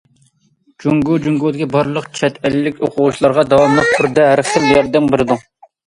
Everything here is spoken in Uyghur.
جۇڭگو جۇڭگودىكى بارلىق چەت ئەللىك ئوقۇغۇچىلارغا داۋاملىق تۈردە ھەر خىل ياردەم بېرىدۇ.